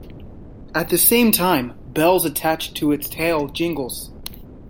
At the same time, bells attached to its tail jingles.